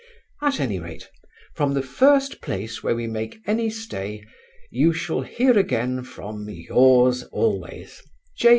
At any rate, from the first place where we make any stay, you shall hear again from Yours always, J.